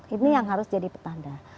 ini yang harus jadi petanda